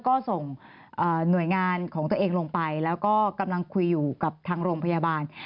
ก็ส่งหน่วยงานของตัวเองลงไปแล้วก็กำลังคุยอยู่กับทางโรงพยาบาล